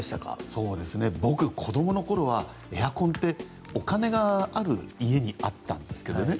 僕子供のころはエアコンはお金がある家にあったんですけどね。